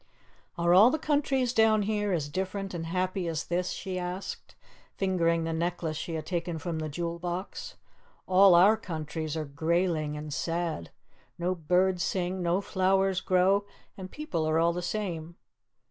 "Are all the countries down here as different and happy as this?" she asked, fingering the necklace she had taken from the jewel box. "All our countries are greyling and sad. No birds sing, no flowers grow, and people are all the same."